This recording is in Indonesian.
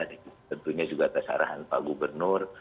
tentunya juga atas arahan pak gubernur